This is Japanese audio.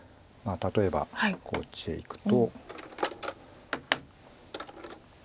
例えばこっちへいくと。